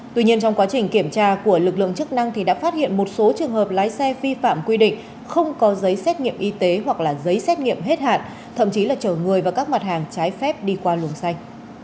tuy nhiên trong quá trình kiểm tra của lực lượng chức năng thì đã phát hiện một số trường hợp lái xe vi phạm quy định không có giấy xét nghiệm y tế hoặc là giấy xét nghiệm hết hạn thậm chí là chở người và các mặt hàng trái phép đi qua luồng xanh